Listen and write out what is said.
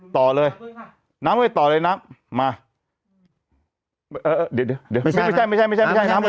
ต่อเลยน้ำต่อเลยน้ำมาเออเออเดี๋ยวเดี๋ยวไม่ใช่ไม่ใช่ไม่